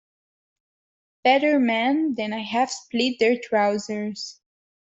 Better men than I have split their trousers.